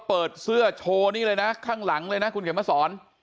เปิดเสื้อโชว์นี้เลยนะข้างข้างหลังเลยนะคุณเห็นเมื่อสอน